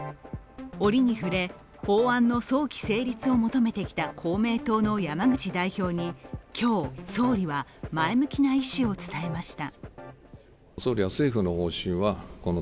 折に触れ、法案の早期成立を求めてきた公明党の山口代表に、今日、総理は前向きな意思を伝えました。